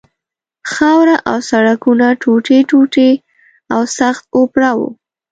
خاوره او سړکونه ټوټې ټوټې او سخت اوپړه وو.